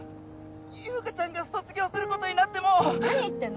優佳ちゃんが卒業することになっても何言ってんの？